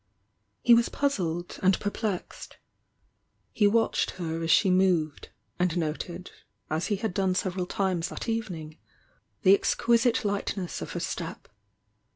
He was puzzled and perplexed. He watched her as she moved, and noted, as he had done several times that evening, the exquisite lightness of her step.